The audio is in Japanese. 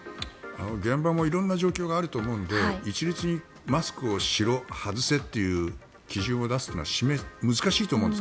現場も色んな状況があると思うので一律にマスクをしろ外せという基準を出すのは難しいと思うんです。